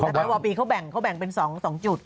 รัฐนาวาปีเขาแบ่งเป็น๒จุด